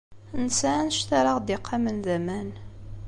Nesɛa anect ara aɣ-d-iqamen d aman.